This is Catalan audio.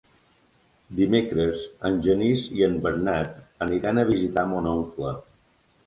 Dimecres en Genís i en Bernat aniran a visitar mon oncle.